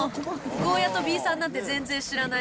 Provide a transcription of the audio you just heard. ゴーヤとビーサンなんて全然知らない、